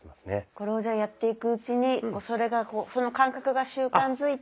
これをじゃあやっていくうちにその感覚が習慣づいて。